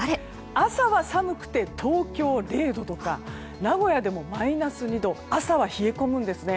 朝は寒くて東京、０度とか名古屋でもマイナス２度と朝は冷え込むんですね。